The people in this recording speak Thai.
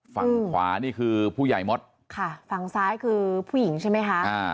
ฝั่งขวานี่คือผู้ใหญ่มดค่ะฝั่งซ้ายคือผู้หญิงใช่ไหมคะอ่า